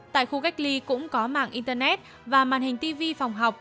tại khu cách ly cũng có mạng internet và màn hình tv phòng học